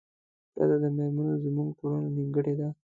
پرته د میرمنو زمونږ ټولنه نیمګړې ده